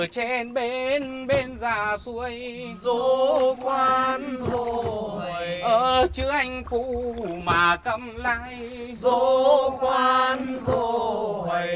chữ anh phu mà cầm lái dô khoan dô hầy